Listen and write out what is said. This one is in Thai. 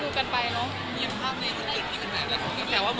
ดูกันไปเนอะ